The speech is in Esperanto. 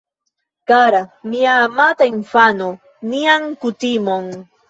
Kara, mia amata infano, nian kutimon...